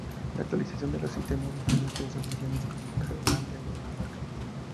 La actualización de los sistemas de defensa causa fricciones con Groenlandia y Dinamarca.